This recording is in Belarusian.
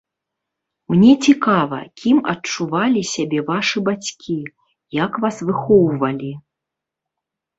Мне цікава, кім адчувалі сябе вашы бацькі, як вас выхоўвалі.